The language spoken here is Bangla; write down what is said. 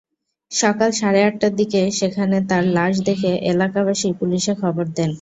সকাল সাড়ে আটটার দিকে সেখানে তার লাশ দেখে এলাকাবাসী পুলিশে খবর দেন।